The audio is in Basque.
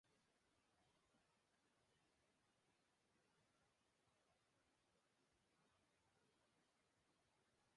Ostiralean hasierako hamaikakoan izan ziren jokalariek ordu erdiko lan saioa egin dute.